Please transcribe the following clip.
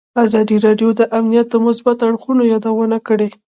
ازادي راډیو د امنیت د مثبتو اړخونو یادونه کړې.